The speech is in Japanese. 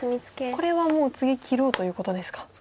これはもう次切ろうということですか。